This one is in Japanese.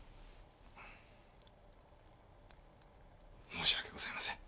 申し訳ございません。